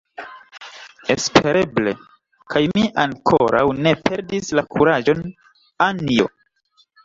Espereble; kaj mi ankoraŭ ne perdis la kuraĝon, Anjo.